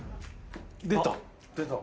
出た！